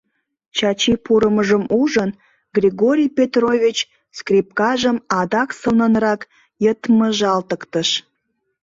Чачи пурымым ужын, Григорий Петрович скрипкажым адак сылнынрак йытмыжалтыктыш: